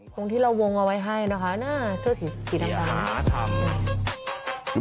ตรงที่เราวงเอาไว้ให้นะคะหน้าเสื้อสีดำ